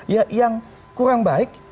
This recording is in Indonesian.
ya yang kurang baik